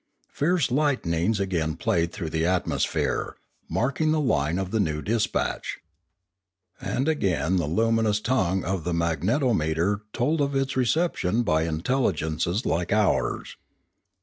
Fierce lightnings again played through the atmosphere, marking the liue of the new despatch. And again the luminous tongue of the magnetometer told of its reception by intelli gences like ours.